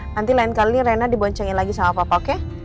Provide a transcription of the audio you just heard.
nanti lain kali rena diboncengin lagi sama papa kek